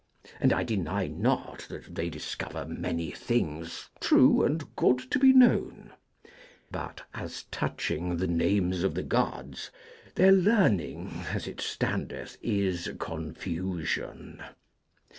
And I deny not that they discover many things true and good to be known; but, as touching the names of the Gods, their learning, as it standeth, is confusion.